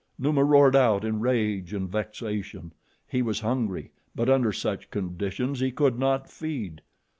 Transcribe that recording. Numa roared out in rage and vexation. He was hungry, but under such conditions he could not feed.